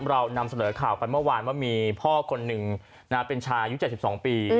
เรานำเสนอข่าวไปเมื่อวานว่ามีพ่อคนหนึ่งเป็นชายุค๗๒ปี